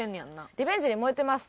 リベンジに燃えてます。